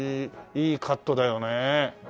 いいカットだよね。